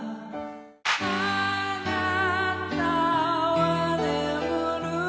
「あなたは眠る様に」